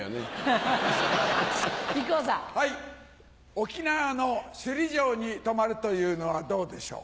沖縄の首里城に泊まるというのはどうでしょう？